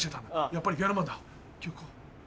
やっぱりピアノマンだ。